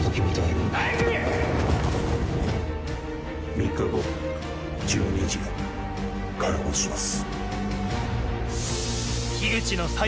３日後１２時解放します。